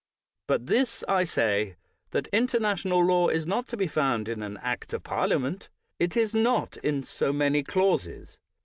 But this I say, that international law is not to be found in an act of Parliament — it is not in so many clauses.